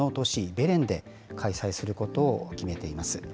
ベレンで開催することを決めています。